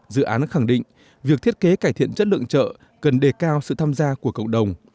dự án khẳng định việc thiết kế cải thiện chất lượng chợ cần đề cao sự tham gia của cộng đồng